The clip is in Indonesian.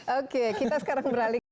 oke kita sekarang beralih